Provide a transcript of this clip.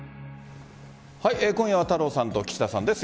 今夜は太郎さんと岸田さんです。